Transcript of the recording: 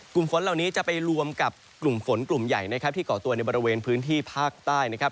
กลุ่มฝนเหล่านี้จะไปรวมกับกลุ่มฝนกลุ่มใหญ่นะครับที่ก่อตัวในบริเวณพื้นที่ภาคใต้นะครับ